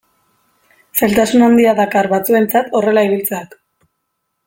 Zailtasun handia dakar batzuentzat horrela ibiltzeak.